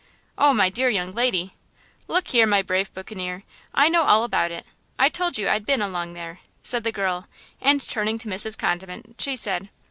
"Oh, my dear young lady–" "Look here, my brave buccaneer, I know all about it! I told you I'd been along there!" said the girl, and, turning to Mrs. Condiment, she said.